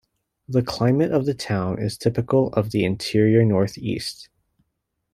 The climate of the town is typical of the interior northeast.